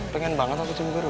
pengen banget aku cemburu